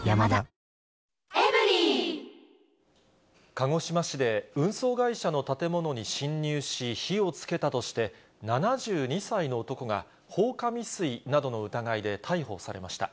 鹿児島市で運送会社の建物に侵入し、火をつけたとして、７２歳の男が放火未遂などの疑いで逮捕されました。